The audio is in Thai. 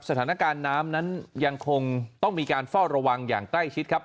สถานการณ์น้ำนั้นยังคงต้องมีการเฝ้าระวังอย่างใกล้ชิดครับ